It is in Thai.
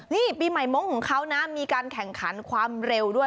นี่ปีใหม่มงค์ของเขานะมีการแข่งขันความเร็วด้วย